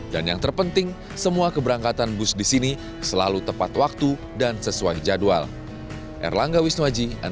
dan yang terpenting semua keberangkatan bus di sini selalu tepat waktu dan diperlukan dengan baik